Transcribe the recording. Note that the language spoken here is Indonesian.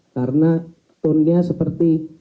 karena tonnya seperti